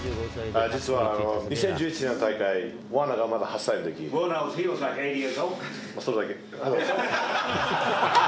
実は２０１１年の大会、ワーナーがまだ８歳のとき、それだけ、あざっす。